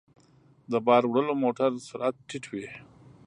د بار وړلو موټر سرعت ټيټ وي.